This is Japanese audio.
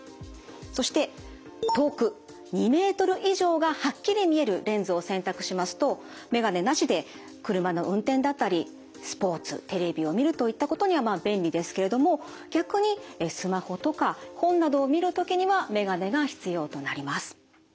そして遠く２ｍ以上がはっきり見えるレンズを選択しますと眼鏡なしで車の運転だったりスポーツテレビを見るといったことにはまあ便利ですけれども逆にスマホとか本などを見る時には眼鏡が必要となります。